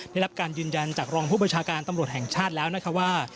ได้รับการยืนยันจากรองผู้บัญชาการตำรวจแห่งชาติแล้วนะคะว่า